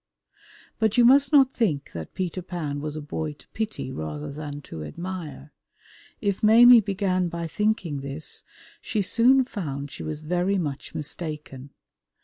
But you must not think that Peter Pan was a boy to pity rather than to admire; if Maimie began by thinking this, she soon found she was very much mistaken.